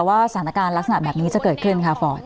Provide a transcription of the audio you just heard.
ว่าสถานการณ์ลักษณะแบบนี้จะเกิดขึ้นค่ะฟอร์ด